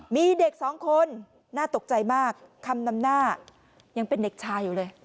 มีเด็ก๒คนน่าตกใจมากค้ำน้ำหน้าอยู่เลย